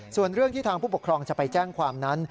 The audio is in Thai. ส่วนเรื่องที่ทางผู้ปกครองจะไปแจ้งความนั้น